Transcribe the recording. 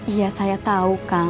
iya saya tahu kang